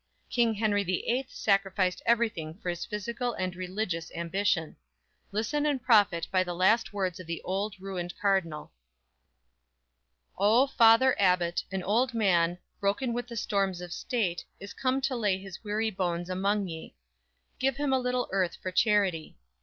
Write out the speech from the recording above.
King Henry the Eighth sacrificed everything for his physical and religious ambition. Listen and profit by the last words of the old, ruined Cardinal: _"O, Father Abbot, An old man, broken with the storms of state, Is come to lay his weary bones among ye; Give him a little earth for charity!